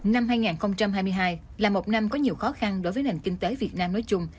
năm hai nghìn hai mươi hai là một năm có nhiều khó khăn đối với nền kinh tế việt nam nói chung